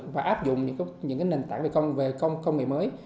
và áp dụng những nền tảng về công nghệ mới